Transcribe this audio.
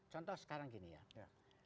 contoh sekarang gini ya